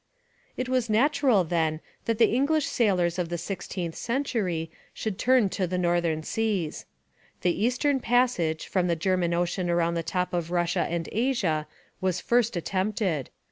It was natural, then, that the English sailors of the sixteenth century should turn to the northern seas. The eastern passage, from the German Ocean round the top of Russia and Asia, was first attempted.